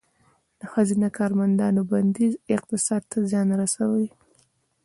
د ښځینه کارمندانو بندیز اقتصاد ته زیان رسولی؟